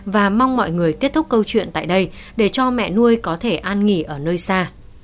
và mong mọi người kết thúc câu chuyện tại đây để cho mẹ nuôi có thể an nghỉ ở nơi xa